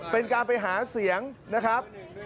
เป็นการไปหาเสียงนะครับ